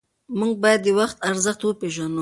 موږ باید د وخت ارزښت وپېژنو.